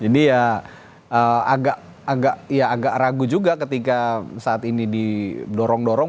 jadi ya agak ragu juga ketika saat ini didorong dorong